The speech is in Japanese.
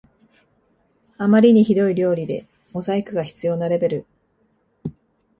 あまりにひどい料理でモザイクが必要なレベル